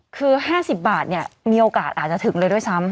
คือ๕๐บาทเนี่ยมีโอกาสอาจจะถึงเลยด้วยซ้ำ